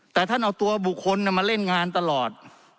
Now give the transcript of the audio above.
แต่ท่านเอาตัวบุคคลมาเล่นงานตลอด